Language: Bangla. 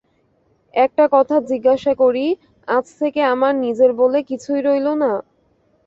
একটা কথা জিজ্ঞাসা করি, আজ থেকে আমার নিজের বলে কিছুই রইল না?